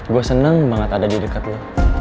gue seneng banget ada di deket lo